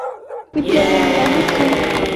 Ibyo bingana iki?